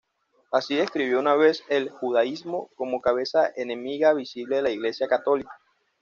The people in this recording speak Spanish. Así describió una vez el judaísmo como "cabeza enemiga visible de la Iglesia Católica.